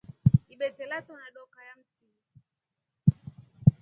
Ibete latona dokaa ya mti.